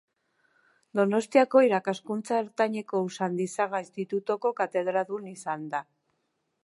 Donostiako irakaskuntza ertaineko Usandizaga institutuko katedradun izan da.